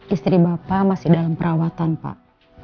istri bapak masih dalam perawatan pak